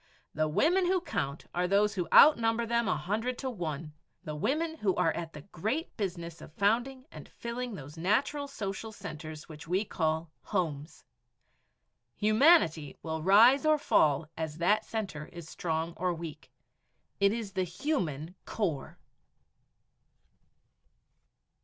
The women who count are those who outnumber them a hundred to one the women who are at the great business of founding and filling those natural social centers which we call homes. Humanity will rise or fall as that center is strong or weak. It is the human core.